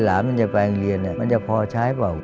มันจะไปโรงเรียนมันจะพอใช้เปล่า